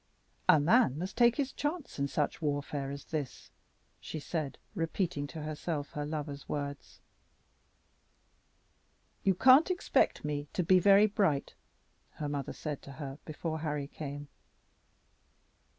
"A man must take his chance in such warfare as this," she said, repeating to herself her lover's words. "You can't expect me to be very bright," her mother said to her before Harry came.